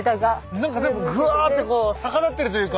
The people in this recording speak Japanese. なんか全部グワーってこう逆立ってるというか。